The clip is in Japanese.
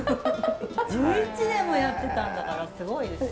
１１年もやってたんだからすごいですよ。